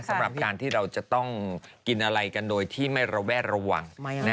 สำหรับการที่เราจะต้องกินอะไรกันโดยที่ไม่ระแวดระวัง